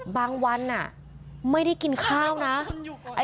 วันไม่ได้กินข้าวนะ